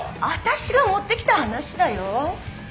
あたしが持ってきた話だよ！